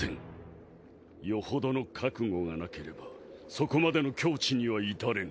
よほどの覚悟がなければそこまでの境地には至れぬ。